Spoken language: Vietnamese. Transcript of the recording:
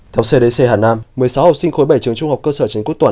theo cdc hà nam một mươi sáu học sinh khối bảy trường trung học cơ sở trần quốc tuấn